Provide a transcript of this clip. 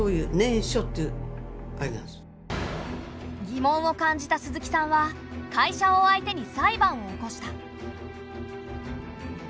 疑問を感じた鈴木さんは会社を相手に裁判を起こした。